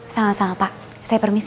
sama sama pak saya permisi